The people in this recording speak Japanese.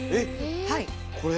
これ？